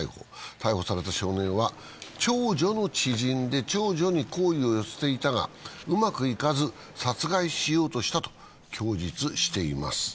逮捕された少年は、長女の知人で長女に好意を寄せていたが、うまくいかず殺害しようとしたと供述しています。